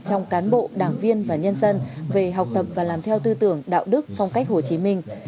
trong cán bộ đảng viên và nhân dân về học tập và làm theo tư tưởng đạo đức phong cách hồ chí minh